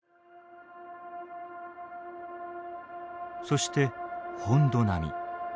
そして「本土並み」。